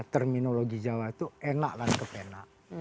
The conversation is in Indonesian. terminologi jawa itu enak dan kebenak